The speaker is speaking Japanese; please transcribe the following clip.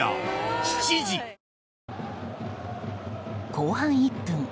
後半１分。